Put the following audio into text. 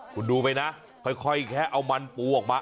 คุณดูไปนะค่อยแค่เอามันปูออกมา